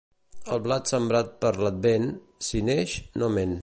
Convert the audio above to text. El blat sembrat per l'Advent, si neix, no ment.